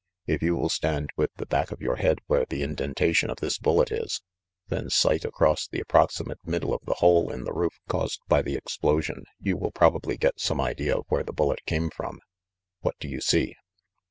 If you will stand with the back of your head where the indentation of this bullet is, then sight across the approximate middle of the hole in the roof caused by the explosion, you will probably get some idea of where the bullet came from. What do you see?"